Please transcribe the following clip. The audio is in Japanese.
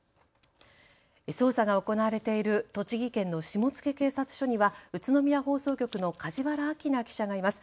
捜査が行われている栃木県の下野警察署には宇都宮放送局の梶原明奈記者がいます。